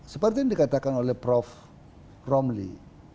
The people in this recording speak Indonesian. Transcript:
seperti yang dikatakan oleh prof romli